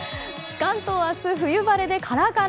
関東は明日、冬晴れでカラカラ。